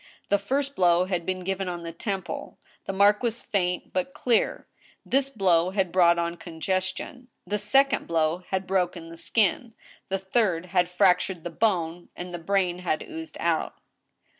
The first blow had been given on the temple. The mark was faint but clear. This blow had brought on congestion. The second blow had broken the skin ; the third had fractured the bone, and the brain had oozed out.